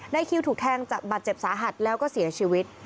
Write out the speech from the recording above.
คิวถูกแทงจากบาดเจ็บสาหัสแล้วก็เสียชีวิต